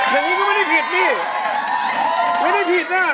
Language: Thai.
อย่างนี้ก็ไม่ได้ผิดนี่ไม่ได้ผิดน่ะ